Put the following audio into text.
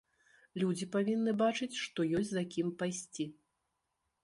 Людзі павінны бачыць, што ёсць за кім пайсці.